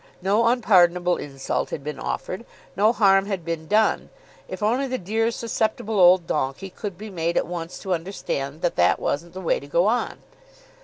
No unpardonable insult had been offered; no harm had been done, if only the dear susceptible old donkey could be made at once to understand that that wasn't the way to go on!